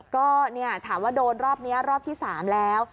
ก็ถามว่าโดนรอบนี้รอบที่๓แล้ว